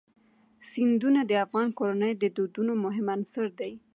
سیندونه د افغان کورنیو د دودونو مهم عنصر دی.